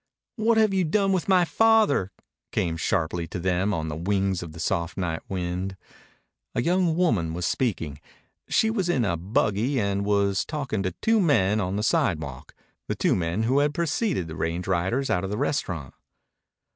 "What have you done with my father?" came sharply to them on the wings of the soft night wind. A young woman was speaking. She was in a buggy and was talking to two men on the sidewalk the two men who had preceded the range riders out of the restaurant.